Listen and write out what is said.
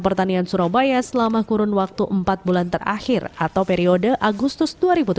pertanian surabaya selama kurun waktu empat bulan terakhir atau periode agustus dua ribu tujuh belas